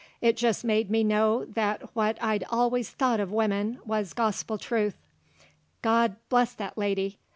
It jest made me know that what I'd allus thought uv wimmin was gospel truth. God bless that lady!